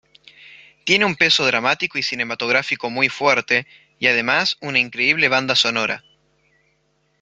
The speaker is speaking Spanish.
Tiene un peso dramático y cinematográfico muy fuerte y además una increíble banda sonora"".